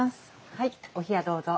はいお冷やどうぞ。